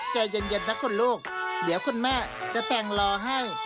ใจเย็นนะคุณลูกเดี๋ยวคุณแม่จะแต่งรอให้